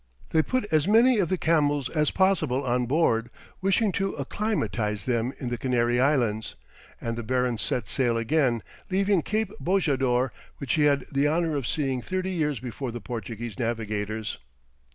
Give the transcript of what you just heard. They put as many of the camels as possible on board, wishing to acclimatize them in the Canary Islands, and the baron set sail again, leaving Cape Bojador, which he had the honour of seeing thirty years before the Portuguese navigators.